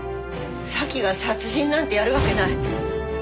沙希が殺人なんてやるわけない。